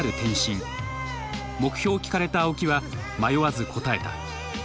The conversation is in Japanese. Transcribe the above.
目標を聞かれた青木は迷わず答えた。